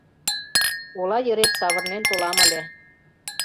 Ола йырет савырнен толам ыле.